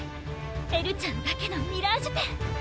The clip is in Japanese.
エルちゃんだけのミラージュペン！